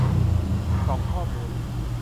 ส่องข้อมูล